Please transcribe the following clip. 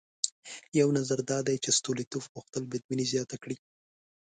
یو نظر دا دی چې ستولیتوف غوښتل بدبیني زیاته کړي.